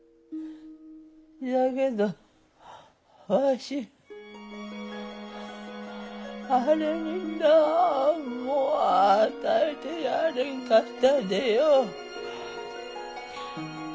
じゃけどわしあれになんも与えてやれんかったでよ。